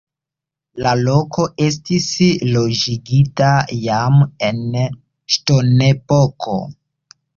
La loko estis loĝigita jam en ŝtonepoko.